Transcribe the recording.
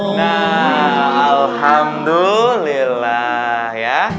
nah alhamdulillah ya